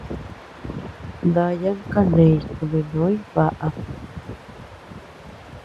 Dayan kaneñ kunenoñ baʼam.